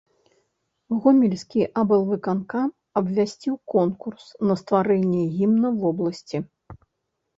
Гомельскі аблвыканкам абвясціў конкурс на стварэнне гімна вобласці.